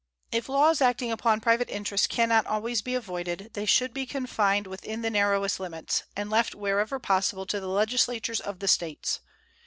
If laws acting upon private interests can not always be avoided, they should be confined within the narrowest limits, and left wherever possible to the legislatures of the States.